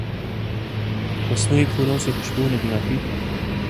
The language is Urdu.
مصنوعی پھولوں سے خوشبو نہیں آتی۔